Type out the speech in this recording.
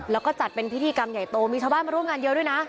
แล้วก็จัดเป็นพิธีกรรมใหญ่โตมีชาวบ้านมาร่วมงานเยอะด้วยนะ